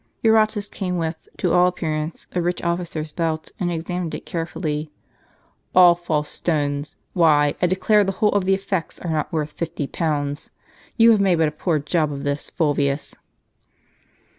Eurotas came with, to all appearance, a rich officer's belt, and examined it carefully. "All false stones! Why, I declare the whole of the effects are not worth fifty pounds. You have made but a poor job of this, Fulvius."